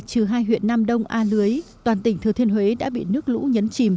trừ hai huyện nam đông a lưới toàn tỉnh thừa thiên huế đã bị nước lũ nhấn chìm